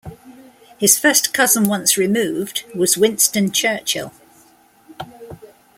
His first cousin once removed was Winston Churchill.